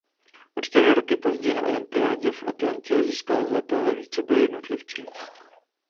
O čtyři roky později na olympiádě v Atlantě získal zlato ve víceboji jednotlivců.